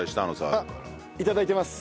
あっいただいてます。